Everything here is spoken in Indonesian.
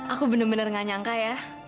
aku bener bener gak nyangka ya